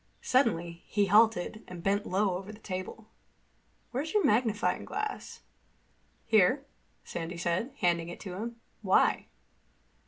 Suddenly he halted and bent low over the table. "Where's your magnifying glass?" "Here," Sandy said, handing it to him. "Why?"